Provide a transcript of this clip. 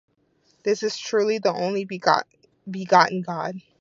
This truly is the only-begotten God.